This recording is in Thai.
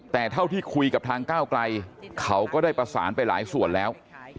แต่เท่าที่คุยกับทางก้าวไกลเขาก็ได้ประสานไปหลายส่วนแล้ว